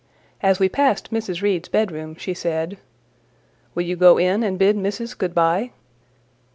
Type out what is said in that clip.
As we passed Mrs. Reed's bedroom, she said, "Will you go in and bid Missis good bye?"